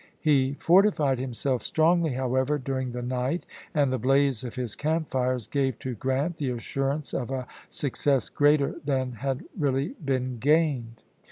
He fortified himself strongly, however, during the night, and the blaze of his camp fires gave to Grant the assurance of a success greater than had really been gained.